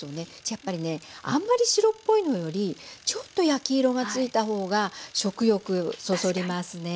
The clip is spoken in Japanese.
やっぱりねあんまり白っぽいのよりちょっと焼き色が付いた方が食欲そそりますね。